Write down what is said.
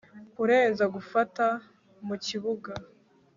Kurenza gufata mu kibuga